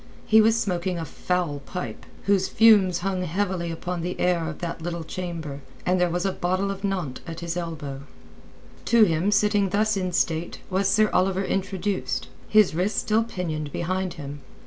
He was smoking a foul pipe, whose fumes hung heavily upon the air of that little chamber, and there was a bottle of Nantes at his elbow. To him, sitting thus in state, was Sir Oliver introduced—his wrists still pinioned behind him.